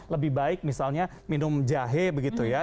lebih baik misalnya minum jahe begitu ya